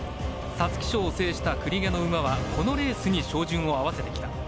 皐月賞を制した栗毛の馬はこのレースに照準を合わせてきた。